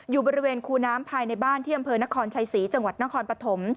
อยู่บริเวณคูน้ำภายในบ้านที่อำเภอนครชัยศรีจังหวัดนครปฐม